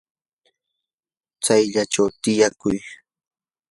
chayllachaw tiyakuy.